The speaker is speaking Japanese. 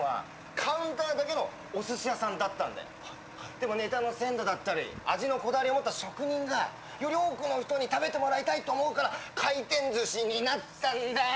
でもねたの鮮度だったり味のこだわりを持った職人がより多くの人に食べてもらいたいと思うから回転寿司になったんだよ！